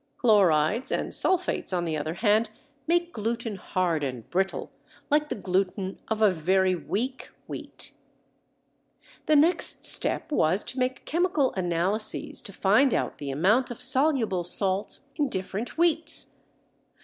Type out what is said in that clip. Chlorides and sulphates on the other hand make gluten hard and brittle, like the gluten of a very weak wheat (Fig. 12). The next step was to make chemical analyses to find out the amount of soluble salts in different wheats.